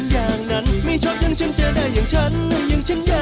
ใครเป็นแฟนกันนะ